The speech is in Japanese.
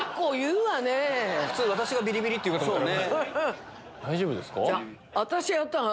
普通「私がビリビリ」って言うかと思ったら。